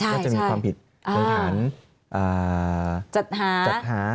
ใช่ว่าจะมีความผิดจัดหา